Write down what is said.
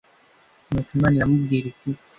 nuko imana iramubwira iti